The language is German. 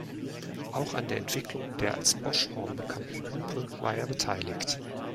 Auch an der Entwicklung der als „Bosch-Horn“ bekannten Hupe war er beteiligt.